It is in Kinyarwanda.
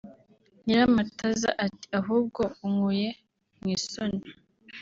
Nyiramataza ati “Ahubwo unkuye mu isoni